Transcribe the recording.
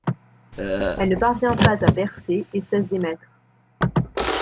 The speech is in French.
Elle ne parvient pas à percer et cesse d'émettre.